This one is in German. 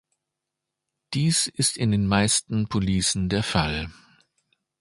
Dies ist in den meisten Policen der Fall.